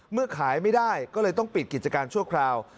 ขายไม่ได้ก็เลยต้องปิดกิจการชั่วคราว